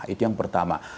itu yang pertama